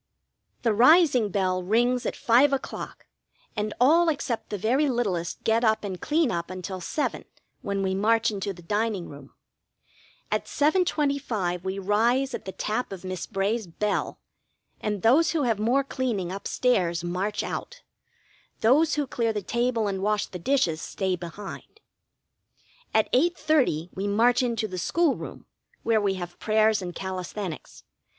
The rising bell rings at five o'clock, and all except the very littlest get up and clean up until seven, when we march into the dining room. At 7.25 we rise at the tap of Miss Bray's bell, and those who have more cleaning up stairs march out; those who clear the table and wash the dishes stay behind. At 8.30 we march into the school room, where we have prayers and calisthenics.